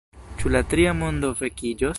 Ĉu la Tria Mondo vekiĝos?